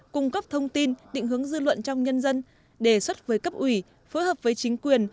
cung cấp thông tin định hướng dư luận trong nhân dân đề xuất với cấp ủy phối hợp với chính quyền